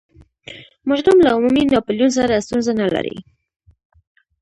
مجرم له عمومي ناپلیون سره ستونزه نلري.